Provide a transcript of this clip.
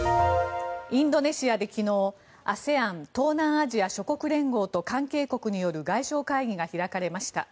インドネシアで昨日ＡＳＥＡＮ・東南アジア諸国連合と関係国による外相会議が開かれました。